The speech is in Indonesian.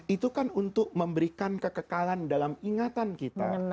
itu kan untuk memberikan kekekalan dalam ingatan kita